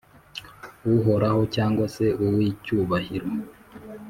Uhoraho cyangwa se uw icyubahiro